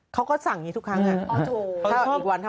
เขาก็สั่งอย่างนี้ทุกครั้งอ่ะ